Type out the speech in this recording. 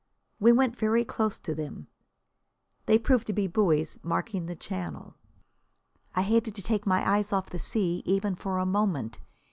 We went very close to them. They proved to be buoys marking the Channel. I hated to take my eyes off the sea, even for a moment.